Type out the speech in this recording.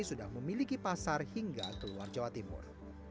sudah memiliki pasar hingga ke luar jawa timur